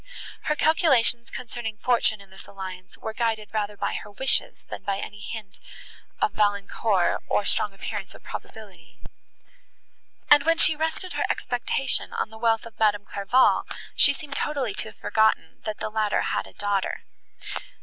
Her calculations concerning fortune in this alliance were guided rather by her wishes, than by any hint of Valancourt, or strong appearance of probability; and, when she rested her expectation on the wealth of Madame Clairval, she seemed totally to have forgotten, that the latter had a daughter.